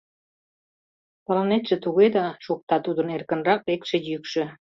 — Тыланетше туге да, — шокта тудын эркынрак лекше йӱкшӧ.